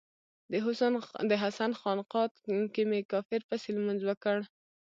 د حسن خانقا کې می کافر پسې لمونځ وکړ